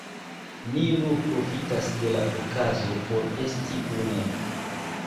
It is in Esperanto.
Ni nur profitas de la okazo por esti kune.